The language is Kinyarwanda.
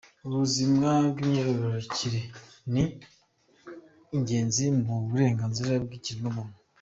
Ubuzima bw’imyororokere ni ingenzi ku burenganzira bw’ikiremwamuntu.